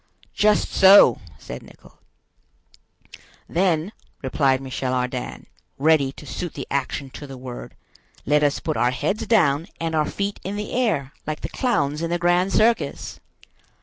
"Just so," said Nicholl. "Then," replied Michel Ardan, ready to suit the action to the word, "let us put our heads down and our feet in the air, like the clowns in the grand circus."